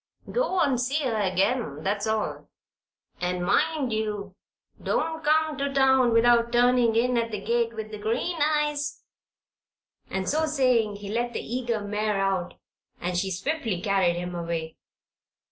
Go and see her again that's all. And mind you don't come to town without turning in at the gate with the green eyes;" and so saying he let the eager mare out and she swiftly carried him away.